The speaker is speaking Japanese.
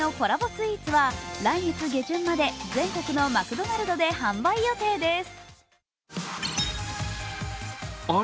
スイーツは来月下旬まで、全国のマクドナルドで販売予定です。